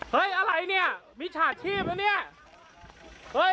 เฮ้ยอะไรเนี่ยมีฉากชีพนะเนี่ย